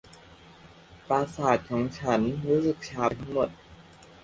ประสาทของฉันรู้สึกชาไปทั้งหมด